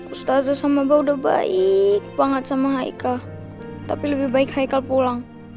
ustadz sama bau udah baik banget sama haikal tapi lebih baik haikal pulang